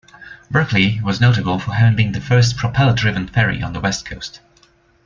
"Berkeley" was notable for having been the first propeller-driven ferry on the west coast.